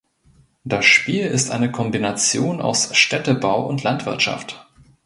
Das Spiel ist eine Kombination aus Städtebau und Landwirtschaft.